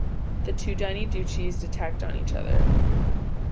The two tiny duchies attacked on each other.